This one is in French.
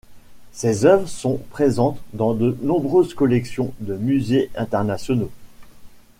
Ses œuvres sont présentes dans de nombreuses collections de musées internationaux.